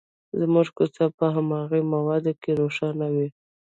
زموږ کوڅه په هماغې موده کې روښانه وي.